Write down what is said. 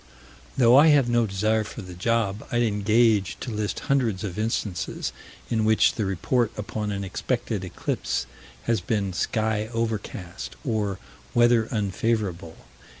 Though I have no desire for the job, I'd engage to list hundreds of instances in which the report upon an expected eclipse has been "sky overcast" or "weather unfavorable."